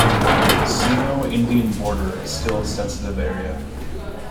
Sino-Indian border is still sensitive area.